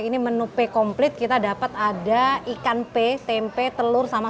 ini menu pe komplit kita dapat ada ikan pe tempe telur sama sambal